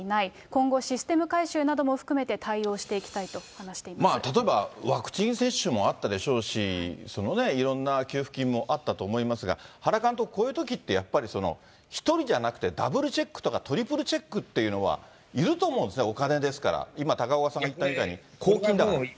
今後システム改修なども含めて、例えばワクチン接種もあったでしょうし、いろんな給付金もあったと思いますが、原監督、こういうときってやっぱり１人じゃなくて、ダブルチェックとか、トリプルチェックっていうのはいると思うんですね、お金ですから、今、高岡さん言ったみたいに公金だから。